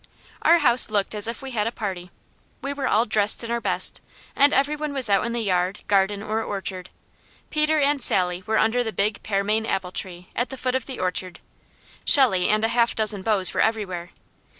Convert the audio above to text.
Our house looked as if we had a party. We were all dressed in our best, and every one was out in the yard, garden, or orchard. Peter and Sally were under the big pearmain apple tree at the foot of the orchard, Shelley and a half dozen beaus were everywhere.